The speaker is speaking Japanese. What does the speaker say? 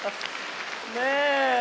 ねえ。